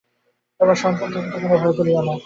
তোমার সন্তান থাকিতে কোনো ভয় করিয়ো না।